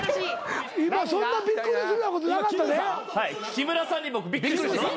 木村さんに僕びっくりしてます。